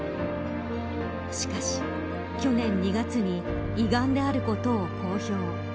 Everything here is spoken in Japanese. しかし、去年２月に胃癌であることを公表。